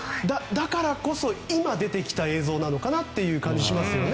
だからこそ今出てきた映像なのかなという感じがしますよね。